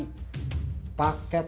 paket wisata yang kemarin itu